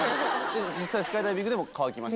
実際スカイダイビングでも乾きました。